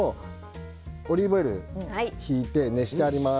オリーブオイルをひいて熱してあります。